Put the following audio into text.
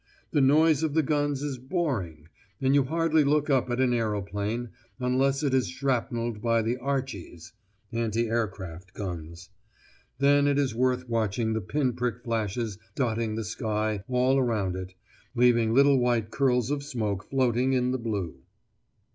The noise of the guns is boring and you hardly look up at an aeroplane, unless it is shrapnelled by the 'Archies' (anti aircraft guns); then it is worth watching the pin prick flashes dotting the sky all round it, leaving little white curls of smoke floating in the blue."